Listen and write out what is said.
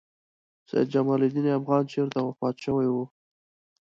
سیدجمال الدین افغان چېرته وفات شوی و؟